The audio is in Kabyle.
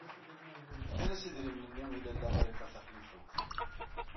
Fkan-as idrimen-nni i Lalla Ḍrifa Taxlifawt.